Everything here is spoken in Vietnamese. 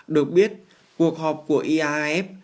được biết cuộc họp của iaaf